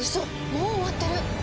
もう終わってる！